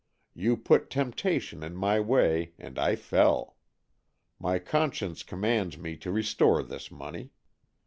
You put temptation in my way and I fell. My con science commands me to restore this money.